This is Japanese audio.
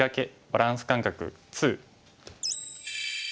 バランス感覚２」。